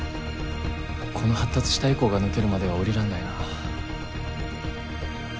この発達したエコーが抜けるまでは降りられないな。